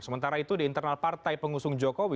sementara itu di internal partai pengusung jokowi